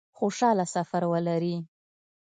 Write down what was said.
خوشحاله سفر ولري